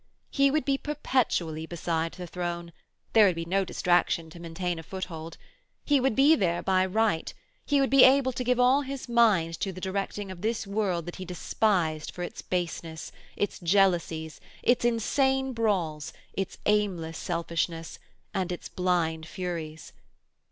He would be perpetually beside the throne, there would be no distraction to maintain a foothold. He would be there by right; he would be able to give all his mind to the directing of this world that he despised for its baseness, its jealousies, its insane brawls, its aimless selfishness, and its blind furies.